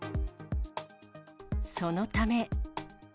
そのため。